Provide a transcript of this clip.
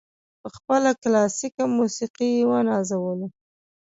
په خپله کلاسیکه موسیقي یې ونازولو.